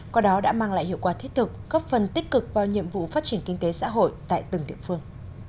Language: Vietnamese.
qua đó đã mang lại hiệu quả thiết thực góp phần tích cực vào nhiệm vụ phát triển kinh tế xã hội tại từng địa phương